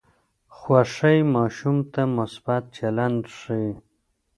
خوښي ماشوم ته مثبت چلند ښووي.